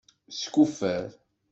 Skuffer.